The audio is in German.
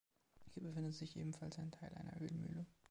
Hier befindet sich ebenfalls ein Teil einer Ölmühle.